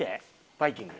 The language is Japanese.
バイキング。